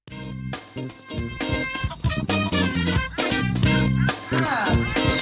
แอคทีฟเลช